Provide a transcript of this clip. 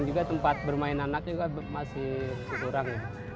dan juga tempat bermain anaknya masih kurang